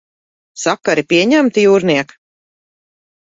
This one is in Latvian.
Sakari pieņemti, jūrniek?